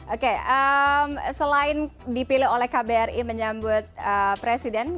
oke selain dipilih oleh kbri menyambut presiden